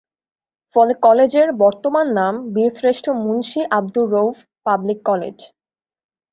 ফলে কলেজের বর্তমান নাম বীরশ্রেষ্ঠ মুন্সী আব্দুর রউফ পাবলিক কলেজ।